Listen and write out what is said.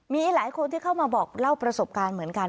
มีหลายคนที่เข้ามาบอกเล่าประสบการณ์เหมือนกัน